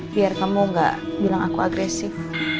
biar kamu gak bilang aku agresif